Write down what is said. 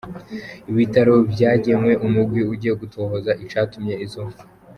Ibitaro vyagenye umugwi ugiye gutohoza icatumye izo mpfu.